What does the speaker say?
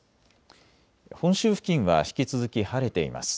本州付近は引き続き晴れています。